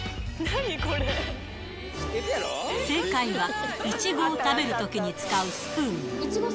正解は、いちごを食べるときに使うスプーン。